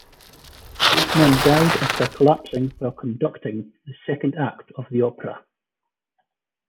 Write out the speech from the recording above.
Both men died after collapsing while conducting the second Act of the opera.